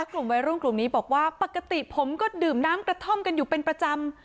กลุ่มวัยรุ่นกลุ่มนี้บอกว่าปกติผมก็ดื่มน้ำกระท่อมกันอยู่เป็นประจำ